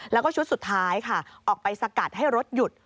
แล้วก็ชุดสุดท้ายค่ะออกไปสกัดให้รถหยุด